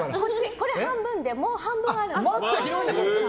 これ半分でもう半分ある。